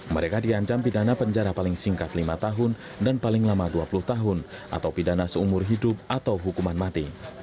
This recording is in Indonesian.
mereka diancam pidana penjara paling singkat lima tahun dan paling lama dua puluh tahun atau pidana seumur hidup atau hukuman mati